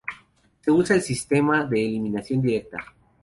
Se usa el sistema de Eliminación directa.